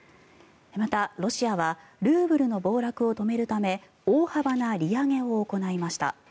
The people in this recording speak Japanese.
また、ロシアはルーブルの暴落を止めるため大幅な利上げを行いました。